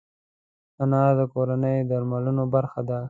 انار د کورني درملو برخه ده.